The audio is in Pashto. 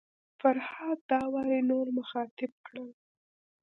فرهاد داوري نور مخاطب کړل.